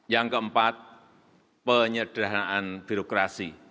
yang keempat penyederhanaan birokrasi